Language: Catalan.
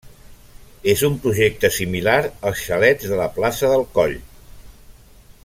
És un projecte similar als xalets de la plaça del Coll.